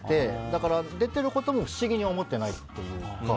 だから、出ていることも不思議に思ってないというか。